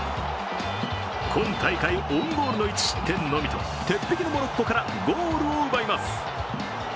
今大会オウンゴールの１失点のみと鉄壁のモロッコからゴールを奪います。